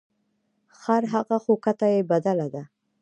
ـ خرهغه خو کته یې بدله ده .